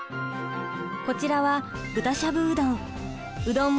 こちらは豚しゃぶうどん。